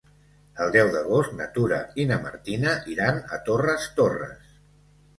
El deu d'agost na Tura i na Martina iran a Torres Torres.